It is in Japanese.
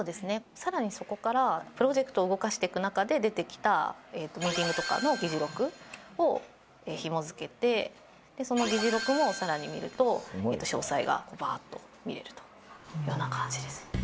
さらにそこからプロジェクトを動かしてく中で出てきたミーティングとかの議事録をひも付けてその議事録もさらに見ると詳細がバッと見れるというような感じですね